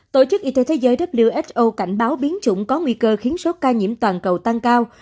tổ chức y tế thế giới who cảnh báo biến chủng có nguy cơ khiến số ca nhiễm toàn cầu tăng cao